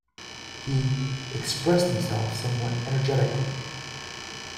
He "expressed himself somewhat energetically".